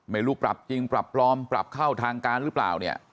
ไม่รู้ปรับจริงปรับปลอมปรับเข้าทางการหรือเปล่าเนี่ย